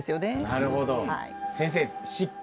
なるほど。